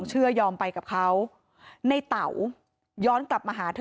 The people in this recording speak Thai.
มีชายแปลกหน้า๓คนผ่านมาทำทีเป็นช่วยค่างทาง